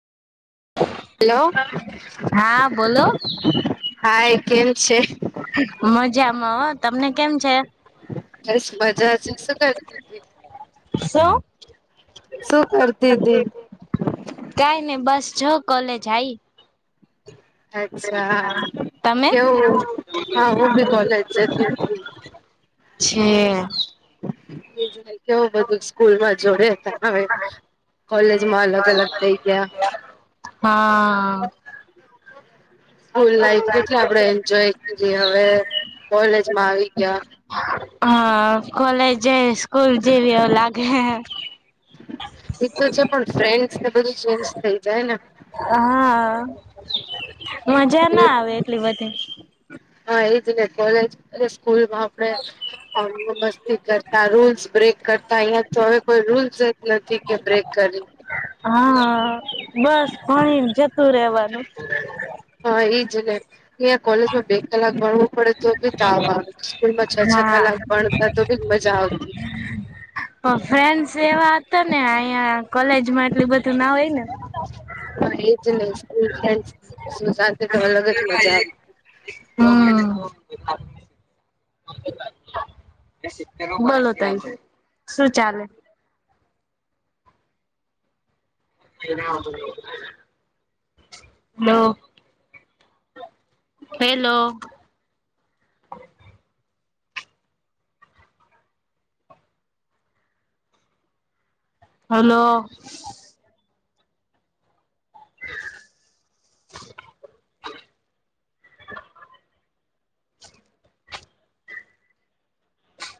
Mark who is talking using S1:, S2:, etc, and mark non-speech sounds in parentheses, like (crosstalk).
S1: Hello
S2: હા, બોલો
S1: hi! કેમ છે?
S2: મજામાં હો, તમને કેમ છે?
S1: બસ મજા છે (unintelligible)
S2: શું? (inaudible)
S1: શું કરતી હતી
S2: કઈ નઈ, બસ જો કોલેજ આ આઈ.
S1: અચ્છા
S2: તમે?
S1: કેવું હા હું બી કોલેજ જતી
S2: (inaudible) (inaudible) છે
S1: એ (inaudible) બધું સ્કૂલમાં જોડે હતા હવે, કોલેજમાં અલગ અલગ થઇ ગયા.
S2: હા....
S1: (inaudible) સ્કૂલ લાઈફ કેટલી આપડે એન્જોય કરી, હવે કોલેજમાં આવી ગયા.
S2: હા, કોલેજ જે સ્કૂલ જેવી એવું લાગે.
S1: એ તો છે, પણ ફ્રેન્ડસ ને બધું ચેન્જ થઈ જાય ને-
S2: હા, મજા ના આવે એટલી બધી.
S1: હા એજ ને, કોલેજ (inaudible) સ્કૂલમાં આપણે મસ્તી કર- રૂલ્સ બ્રેક કરતા. અહિયાં તો હવે કોઈ રૂલ્સ જ નથી, કે બ્રેક કરી.
S2: હા બસ ભણીને જતું રેવાનું.
S1: હા એ જ ને અહીયા કોલેજમાં બે કલાક ભણવું પડે તો બી તાવ આવે સ્કૂલમાં છ છ
S2: હા
S1: કલાક ભણતા તો બી મજા આવતી.
S2: ફ્રેન્ડ્સ એવા હતા ને અહીયા કોલેજમાં એટલી બધું ના હોય ને
S1: હા એજને સ્કૂલ ફ્રેન્ડ સાથે તો અલગ જ મજા આવે.
S2: હમ બોલો તઈ શું ચાલે? (unintelligible) Hello hello? હલો.